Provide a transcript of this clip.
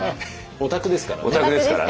オタクですからね。